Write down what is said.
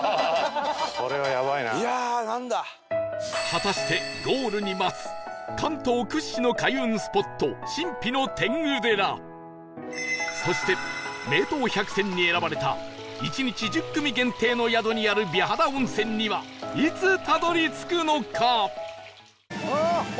果たしてゴールに待つ関東屈指の開運スポット神秘の天狗寺そして名湯百選に選ばれた１日１０組限定の宿にある美肌温泉にはいつたどり着くのか？